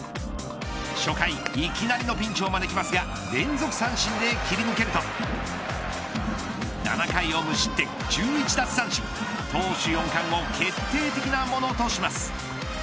初回、いきなりのピンチを招きますが連続三振で切り抜けると７回を無失点１１奪三振投手４冠を決定的なものとします。